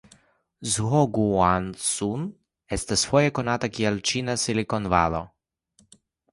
Zhongguancun estas foje konata kiel la "Ĉina Silikonvalo".